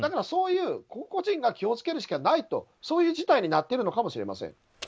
そういう個々人が気を付けるしかないという事態になっているのかもしれません。